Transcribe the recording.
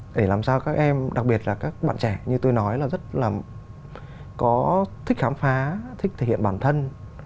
để làm sao các em đặc biệt là các bạn trẻ như tôi nói là rất là có thích khám phá thích thể hiện bản thân